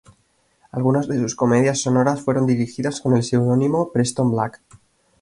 Algunas de sus comedias sonoras fueron dirigidas con el seudónimo "Preston Black.